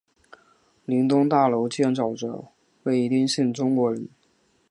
林东大楼建造者为一丁姓中国人。